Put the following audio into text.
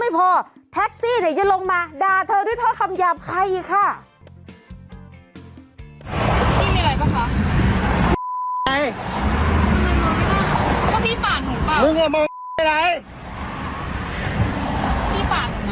อ่าคล้ายทะเบียนนี้นะคะปากหน้าแล้วก็มาทำการอย่างงี้